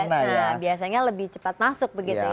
nah biasanya lebih cepat masuk begitu ya